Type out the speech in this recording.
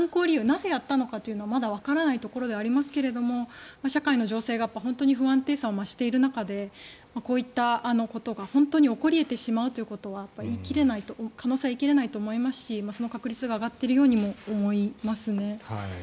なぜやったのかというのはまだわからないところではありますが社会の情勢が不安定さを増している中でこういったことが本当に起こり得てしまうというその可能性は言い切れないと思いますしその確率が上がっているようにも思えますね。